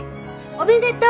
おめでとう！